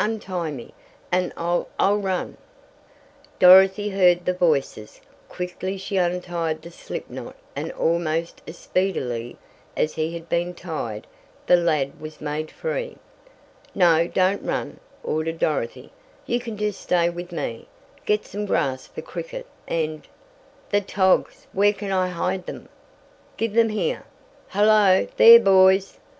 "Untie me, and I I'll run." Dorothy heard the voices. Quickly she untied the slip knot and almost as speedily as he had been tied, the lad was made free. "No, don't run," ordered Dorothy. "You can just stay with me get some grass for Cricket and " "The togs! Where can I hide them?" "Give them here! Hello, there boys!